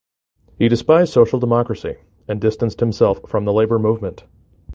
He despised social democracy and distanced himself from the Labour movement.